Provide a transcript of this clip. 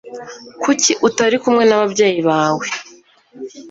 Kuki utari kumwe n'ababyeyi bawe